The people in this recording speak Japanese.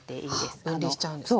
あ分離しちゃうんですね。